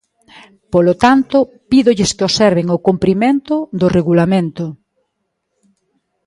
Polo tanto, pídolles que observen o cumprimento do Regulamento.